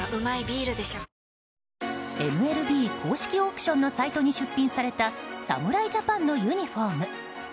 ＭＬＢ公式オークションのサイトに出品された侍ジャパンのユニホーム。